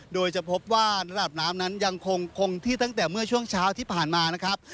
โดยจะพบว่าระดับน้ำนั้นยังคงคงที่ตั้งแต่เมื่อช่วงเช้าที่ผ่านมานะครับ